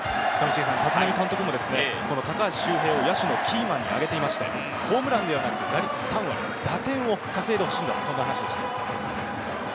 立浪監督も高橋周平を野手のキーマンにあげていまして、ホームランではなく、打率、打点を稼いでほしいんだという話をしていました。